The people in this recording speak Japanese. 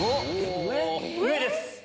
上です。